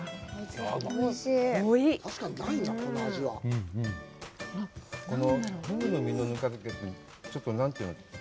おいしい確かにないなこの味はこのふぐの身のぬか漬けってちょっと何て言うの？